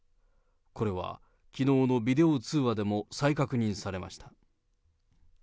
これは、きのうのビデオ通話でも再確認されました。